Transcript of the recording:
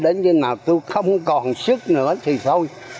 đến như nào tôi không còn sức nữa thì thôi